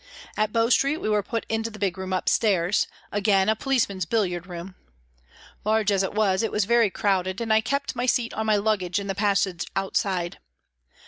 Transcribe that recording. At Bow Street we were put into the big room upstairs ; again a policemen's billiard room. Large as it was, it was very crowded, and I kept my seat on my luggage in the passage outside.